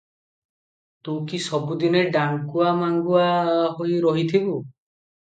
ତୁ କି ସବୁ ଦିନେ ଡାଙ୍ଗୁଆ ମାଙ୍ଗୁଆ ହୋଇ ରହିଥିବୁ?